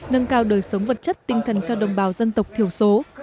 nâng cao đời sống vật chất tinh thần cho đồng bào dân tộc thiểu số